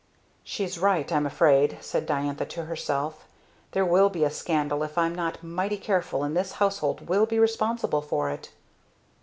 "She's right, I'm afraid!" said Diantha to herself "there will be a scandal if I'm not mighty careful and this household will be responsible for it!"